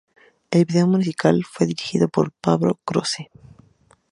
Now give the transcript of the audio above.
El video musical fue dirigido por Pablo Croce.